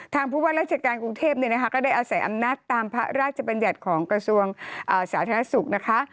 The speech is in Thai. ผู้ว่าราชการกรุงเทพก็ได้อาศัยอำนาจตามพระราชบัญญัติของกระทรวงสาธารณสุขนะคะ